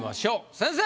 先生！